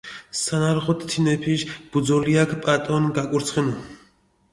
სანარღოთ, თინეფიშ ბუძოლიაქ პატონი გაკურცხინუ.